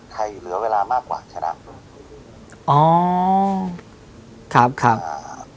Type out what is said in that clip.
เหลือเวลามากกว่าชนะอ๋อครับครับอ่า